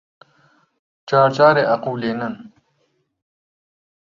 جار جارێ ئەقوولێنن